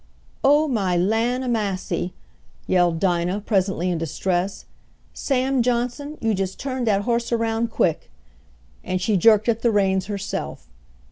"Oh, my lan' a massy!" yelled Dinah presently in distress. "Sam Johnson, you jest turn dat hoss around quick," and she jerked at the reins herself.